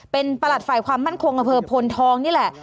เป็นประหลัดฝ่ายความมั่นคงอำเภอพลทองนี่แหละ